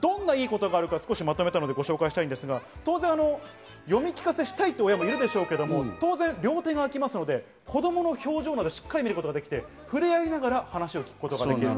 どんないいことがあるかまとめたんですが、読み聞かせしたいという親もいるでしょうが、両手が空きますので、子供の表情までしっかり見ることができて触れ合いながら話を聞くことはできる。